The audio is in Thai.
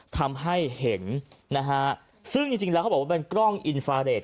ทำให้เห็นนะฮะซึ่งจริงแล้วเขาบอกว่าเป็นกล้องอินฟาเรท